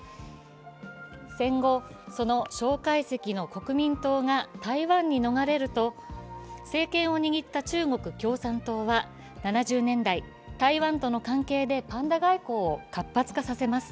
戦後、その蒋介石の国民党が台湾に逃れると政権を握った中国・共産党は７０年代台湾との関係でパンダ外交を活発化させます。